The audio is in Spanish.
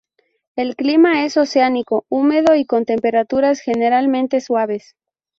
El clima es oceánico, húmedo y con temperaturas generalmente suaves.